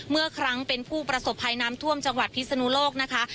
เมื่อครั้งเป็นผู้ประสบภัยน้ำท่วมจังหวัดพิศนุโลกนะคะ